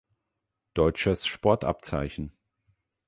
Deutsches Sportabzeichen.